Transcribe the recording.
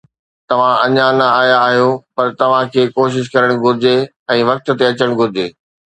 توهان اڃا نه آيا آهيو، پر توهان کي ڪوشش ڪرڻ گهرجي ۽ وقت تي اچڻ گهرجي.